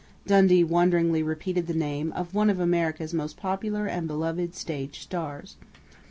_" Dundee wonderingly repeated the name of one of America's most popular and beloved stage stars.